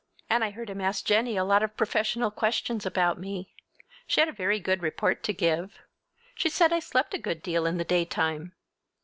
And I heard him ask Jennie a lot of professional questions about me. She had a very good report to give. She said I slept a good deal in the daytime.